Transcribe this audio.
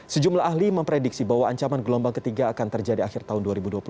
sejumlah ahli memprediksi bahwa ancaman gelombang ketiga akan terjadi akhir tahun dua ribu dua puluh satu